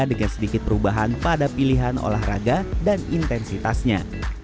dengan sedikit perubahan pada pilihan olahraga dan intensitasnya